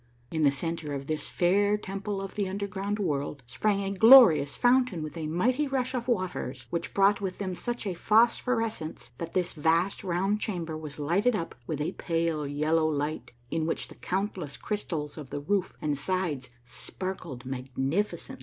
In the centre of this fair temple of the underground world sprang a glorious fountain with a mighty rush of waters which brought with them such a phosphorescence that this vast round chamber was lighted up with a pale yellow light in which the countless crystals of the roof and sides sparkled magnificently.